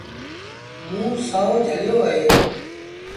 موݩ سهو جھليو اهي۔